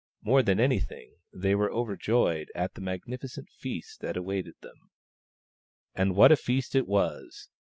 More than anything, they were overjoyed at the magnificent feast that awaited them. And what a feast it was